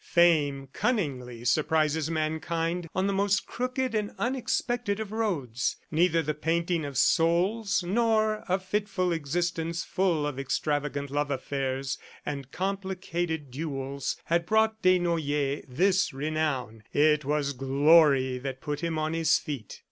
Fame cunningly surprises mankind on the most crooked and unexpected of roads. Neither the painting of souls nor a fitful existence full of extravagant love affairs and complicated duels had brought Desnoyers this renown. It was Glory that put him on his feet.